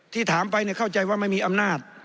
ที่ถามไปเนี่ยเข้าใจว่าไม่มีอำนาจ